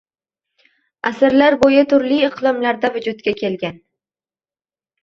Asrlar bo’yi turli iqlimlarda vujudga kelgan.